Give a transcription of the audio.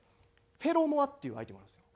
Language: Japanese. フェロモアっていうアイテムなんですよ。